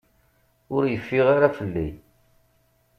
Ur yeffiɣ ara fell-i.